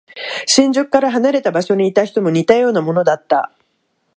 新宿から離れた場所にいた人も似たようなものだった。